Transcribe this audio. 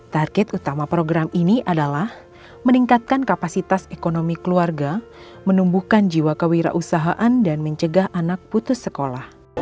target utama program ini adalah meningkatkan kapasitas ekonomi keluarga menumbuhkan jiwa kewirausahaan dan mencegah anak putus sekolah